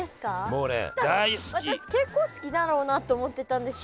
もうね私結構好きだろうなって思ってたんですけど。